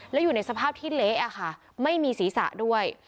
แล้วอยู่ในสภาพที่เละค่ะไม่มีศีรษะด้วย